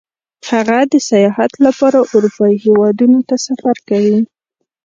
هغه د سیاحت لپاره اروپايي هېوادونو ته سفر کوي